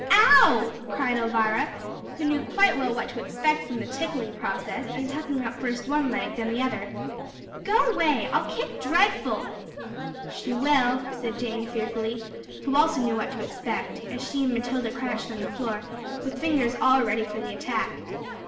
"Ow," cried Elvira, who knew quite well what to expect from the tickling process, and tucking up first one leg, then the other. "Go 'way, I'll kick dreadful!" "She will," said Jane, fearfully, who also knew what to expect, as she and Matilda crouched on the floor, with fingers all ready for the attack.